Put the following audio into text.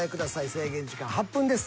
制限時間８分です。